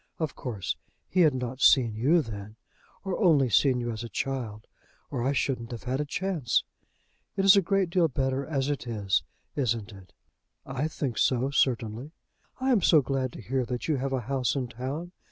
Of course he had not seen you then, or only seen you as a child, or I shouldn't have had a chance. It is a great deal better as it is, isn't it?" "I think so, certainly." "I am so glad to hear that you have a house in town.